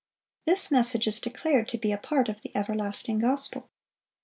(504) This message is declared to be a part of the "everlasting gospel."